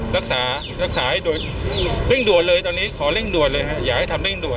นักศึกษาอย่างเร่งดวนเลยตอนนี้ขอเร่งดวนเลยค่ะขอให้ยังให้ทำเร่งดวน